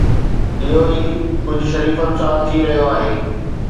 اهو ئي ڪجهه شريفن سان ٿي رهيو آهي.